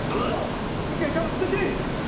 １回ジャブ捨てて！